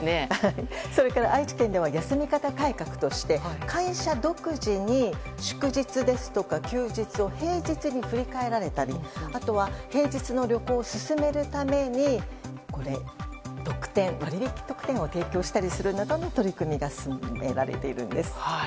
それから愛知県では休み方改革として会社独自に祝日ですとか休日を平日に振り替えられたりあとは平日の旅行を勧めるために特典、割引特典を提供するなどの取り組みが進められているんです。